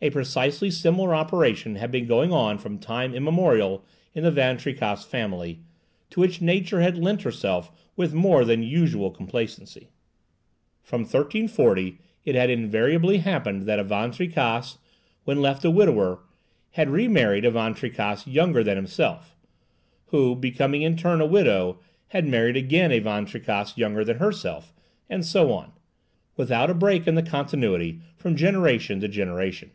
A precisely similar operation had been going on from time immemorial in the Van Tricasse family, to which Nature had lent herself with more than usual complacency. From 1340 it had invariably happened that a Van Tricasse, when left a widower, had remarried a Van Tricasse younger than himself; who, becoming in turn a widow, had married again a Van Tricasse younger than herself; and so on, without a break in the continuity, from generation to generation.